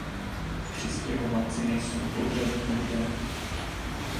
Přistěhovalci nejsou podřadní lidé!